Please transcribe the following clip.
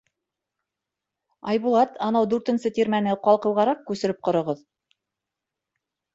— Айбулат, анау дүртенсе тирмәне ҡалҡыуғараҡ күсереп ҡороғоҙ.